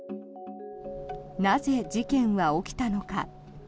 なぜ、事件は起きたのか。